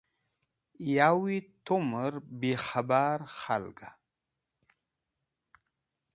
Yawi tumẽr bi khẽbar khalga?